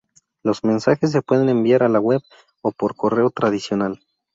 Los mensajes se pueden enviar a la web o por correo tradicional.